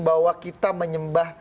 bahwa kita menyembah